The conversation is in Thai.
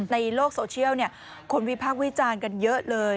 ในโลกโซเชียลคนวิพากษ์วิจารณ์กันเยอะเลย